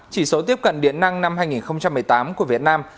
chỉ số tiếp cận điện năng năm hai nghìn một mươi tám của việt nam